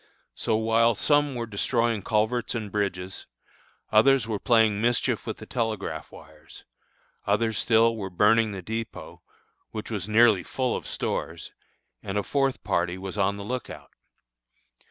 So while some were destroying culverts and bridges, others were playing mischief with the telegraph wires; others still were burning the dépôt, which was nearly full of stores, and a fourth party was on the lookout.